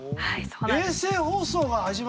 衛星放送が始まるんだ。